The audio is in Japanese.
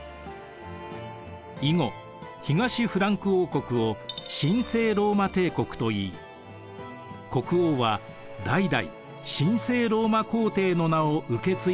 以後東フランク王国を神聖ローマ帝国といい国王は代々神聖ローマ皇帝の名を受け継いでいくことになります。